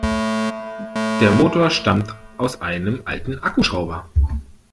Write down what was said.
Der Motor stammt aus einem alten Akkuschrauber.